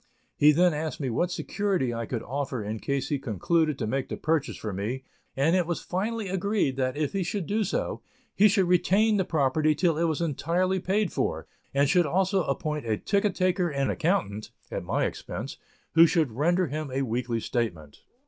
He then asked me what security I could offer in case he concluded to make the purchase for me, and it was finally agreed that, if he should do so, he should retain the property till it was entirely paid for, and should also appoint a ticket taker and accountant (at my expense), who should render him a weekly statement.